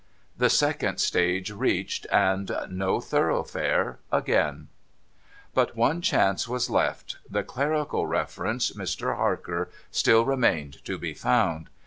The second stage reached, and No Thoroughfare again ! But one chance was left. The clerical reference, Mr. Harker, still remained to be found.